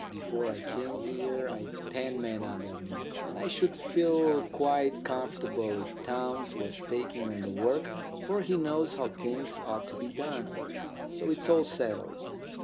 Before I came here I'd ten men under me. And I should feel quite comfortable if Townes was taking on the work, for he knows how things ought to be done." So it's all settled.